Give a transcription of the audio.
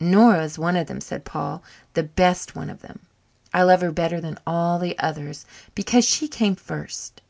"Nora is one of them," said Paul, "the best one of them. I love her better than all the others because she came first.